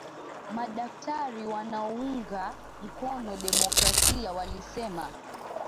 Madaktari wanaounga mkono demokrasia walisema.